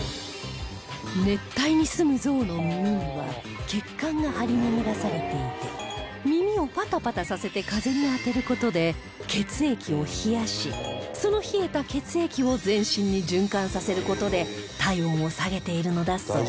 熱帯に住むゾウの耳には血管が張り巡らされていて耳をパタパタさせて風に当てる事で血液を冷やしその冷えた血液を全身に循環させる事で体温を下げているのだそう